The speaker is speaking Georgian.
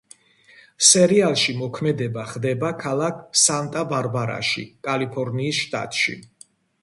სერიალში მოქმედება ხდება ქალაქ სანტა-ბარბარაში, კალიფორნიის შტატში.